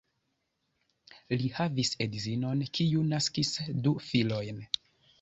Li havis edzinon, kiu naskis du filojn.